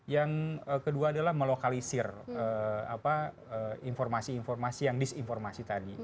yang kedua adalah melokalisir informasi informasi yang disinformasi tadi